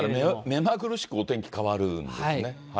目まぐるしくお天気変わるんですね。